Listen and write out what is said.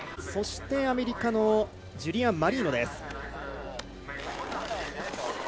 そして、アメリカのジュリア・マリーノ。